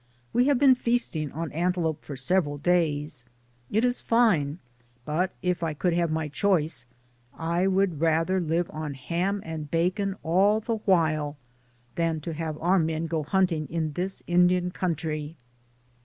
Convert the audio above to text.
We have been feasting on antelope for several days ; it is fine, but if I could have my choice I would rather live on ham and bacon all the while than to have our men go hunting in this Indian country.